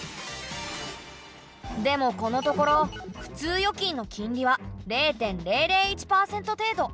でもこのところ普通預金の金利は０．００１％程度。